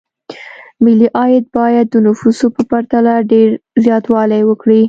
ملي عاید باید د نفوسو په پرتله ډېر زیاتوالی وکړي.